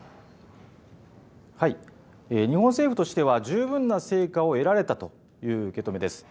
日本政府としては十分な成果を得られたという受け止めです。